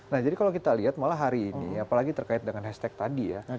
nah jadi kalau kita lihat malah hari ini apalagi terkait dengan hashtag tadi ya